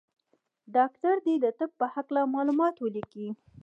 ډاکټر دي د طب په هکله معلومات ولیکي.